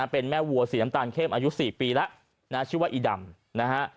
เป็นแม่วัวสีน้ำตาลเข้มอายุ๔ปีแล้วนะชื่อว่าอีดำนะฮะ